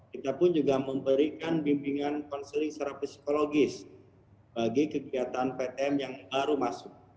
kita pun juga memberikan bimbingan konseling secara psikologis bagi kegiatan ptm yang baru masuk